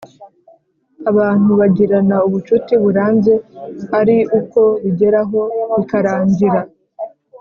abantu bagirana ubucuti burambye ari uko bigeraho bikarangira